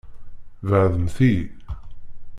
Beɛɛdemt-iyi!